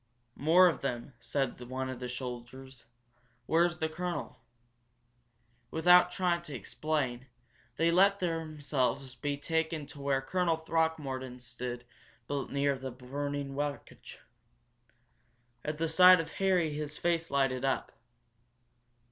"More of them," said one of the soldiers. "Where's the colonel?" Without trying to explain, they let themselves be taken to where Colonel Throckmorton stood near the burning wreckage. At the sight of Harry his face lighted up.